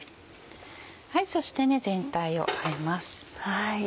そして全体をあえます。